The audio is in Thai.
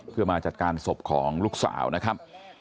เพื่อมาจัดการศพของลูกสาวนะครับ